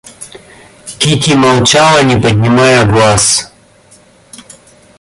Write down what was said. Кити молчала, не поднимая глаз.